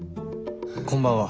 こんばんは。